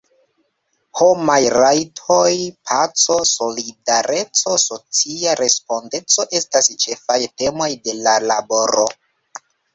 Homaj rajtoj, paco, solidareco, socia respondeco estas ĉefaj temoj de la laboro.